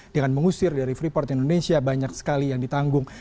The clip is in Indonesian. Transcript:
dengan mengusir dari freeport indonesia banyak sekali yang ditanggung